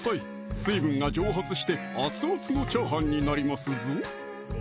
水分が蒸発して熱々のチャーハンになりますぞ